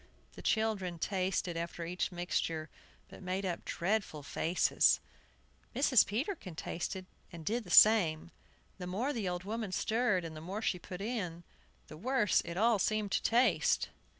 The children tasted after each mixture, but made up dreadful faces. Mrs. Peterkin tasted, and did the same. The more the old woman stirred, and the more she put in, the worse it all seemed to taste.